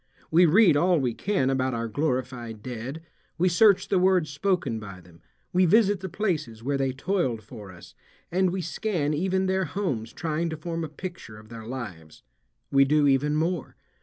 We read all we can about our glorified dead, we search the words spoken by them, we visit the places where they toiled for us, and we scan even their homes trying to form a picture of their lives. We do even more.